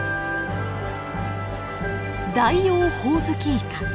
ダイオウホウズキイカ。